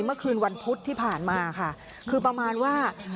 เมื่อคืนวันพุธที่ผ่านมาค่ะคือประมาณว่า